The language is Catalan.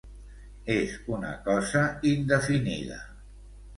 És una cosa indefinida.